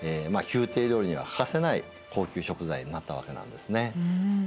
宮廷料理には欠かせない高級食材になったわけなんですね。